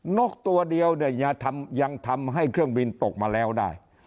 นกตัวเดียวเนี่ยยังทำให้เครื่องบินตกมาแล้วได้